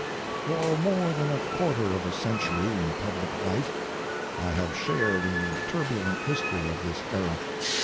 For more than a quarter of a century in public life I have shared in the turbulent history of this era.